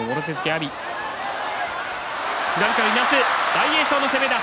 大栄翔の攻めだ。